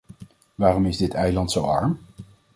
Waarom is dit eiland zo arm?